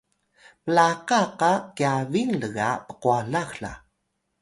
mlaka qa kyabil lga pqwalax la